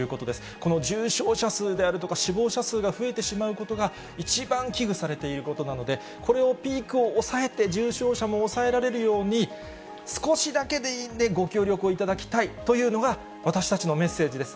この重症者数であるとか、死亡者数が増えてしまうことが、一番危惧されていることなので、これをピークを抑えて、重症者も抑えられるように、少しだけでいいんで、ご協力をいただきたいというのが、私たちのメッセージです。